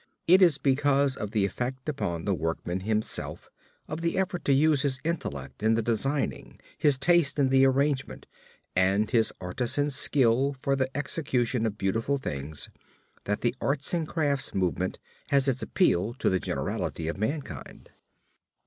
It is because of the effect upon the workman himself of the effort to use his intellect in the designing, his taste in the arrangement, and his artisan skill for the execution of beautiful things, that the arts and crafts movement has its appeal to the generality of mankind.